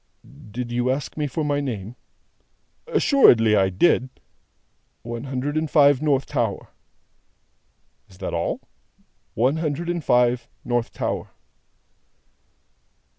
"Did you ask me for my name?" "Assuredly I did." "One Hundred and Five, North Tower." "Is that all?" "One Hundred and Five, North Tower."